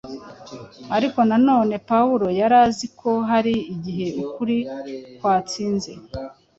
Ariko na none Pawulo yari azi ko hari igihe ukuri kwatsinze.